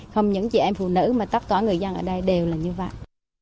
không những chị em phụ nữ mà tóc tỏa người dân ở đây đều là như vậy